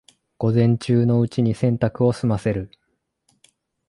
午前中のうちに洗濯を済ませる